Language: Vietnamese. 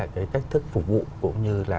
cái cách thức phục vụ cũng như là